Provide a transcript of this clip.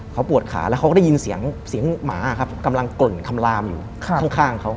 เขาปวดขาแล้วเขาก็ได้ยินเสียงเสียงหมาครับกำลังกล่นคำลามอยู่ข้างเขา